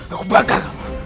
aku bakar kamu